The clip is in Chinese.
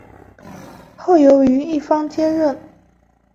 后由于一方接任。